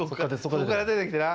ここから出てきてな。